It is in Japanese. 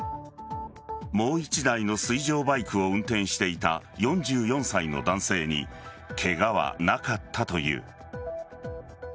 もう１台の水上バイクを運転していた４４歳の男性にケガはなかったという。